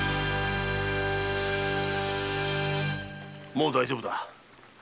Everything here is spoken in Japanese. もう大丈夫だ。